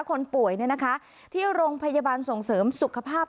คนป่วยเนี่ยนะคะที่โรงพยาบาลส่งเสริมสุขภาพ